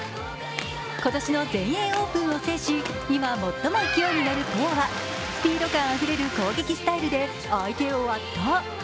今年の全英オープンを制し、今最も勢いに乗るペアはスピード感あふれる攻撃スタイルで相手を圧倒。